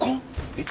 えっ？